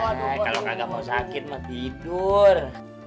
eh kalau nggak mau sakit mah tidur